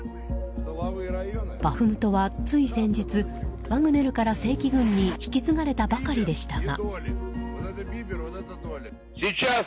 バフムトは、つい先日ワグネルから正規軍に引き継がれたばかりでしたが。